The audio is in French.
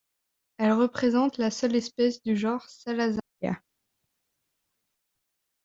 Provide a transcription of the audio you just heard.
Elle représente la seule espèce du genre Salazaria.